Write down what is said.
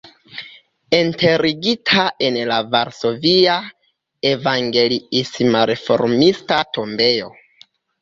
Enterigita en la varsovia evangeliisma-reformista tombejo.